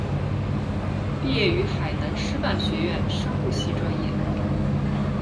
毕业于海南师范学院生物系专业。